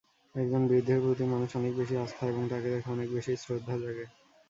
একজন বৃদ্ধের প্রতি মানুষ অনেক বেশী আস্থা এবং তাঁকে দেখে অনেক বেশী শ্রদ্ধা জাগে।